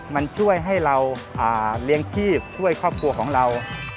มันช่วยให้เราเลี้ยงชีพช่วยครอบครัวของเรา